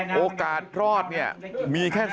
สูงการรอดเนี่ยมีแค่๐๐๐๐๑